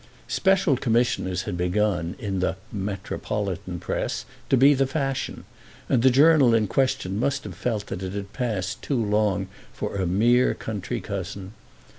Special commissioners had begun, in the "metropolitan press," to be the fashion, and the journal in question must have felt it had passed too long for a mere country cousin.